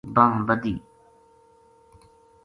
بانہہ بَدھی